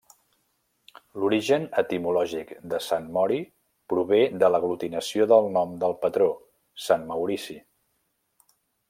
L'origen etimològic de Sant Mori prové de l'aglutinació del nom del patró, sant Maurici.